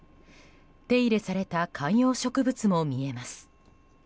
手入れされた観葉植物も見えます。